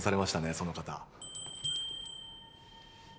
その方